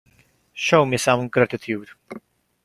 Show me some gratitude.